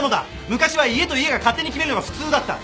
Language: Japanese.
昔は家と家が勝手に決めるのが普通だった。